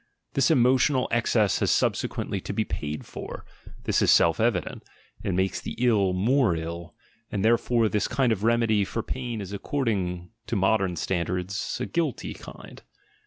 This emo tional excess has subsequently to be paid for, this is self evident — it makes the ill more ill — and therefore this kind of remedy for pain is according to modern standards a. "guilty" kind.